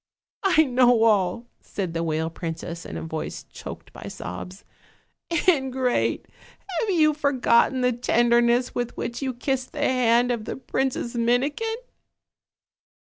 "I know all," said the whale princess in a voice choked by sobs. "Ingrate! have you forgotten the tenderness with which you kissed the hand of the Princess Mini kin?"